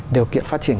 điều kiện phát triển